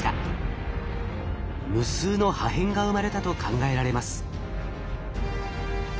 無数の破片が生まれたと考えられます。